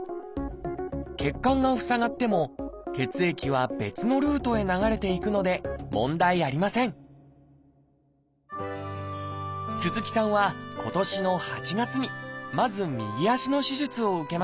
血管が塞がっても血液は別のルートへ流れていくので問題ありません鈴木さんは今年の８月にまず右足の手術を受けました。